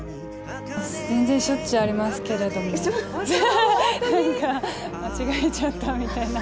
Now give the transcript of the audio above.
全然しょっちゅうありますけど、なんか、間違えちゃったみたいな。